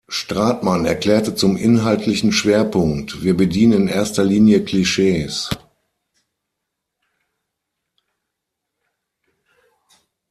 Stratmann erklärte zum inhaltlichen Schwerpunkt: „Wir bedienen in erster Linie Klischees.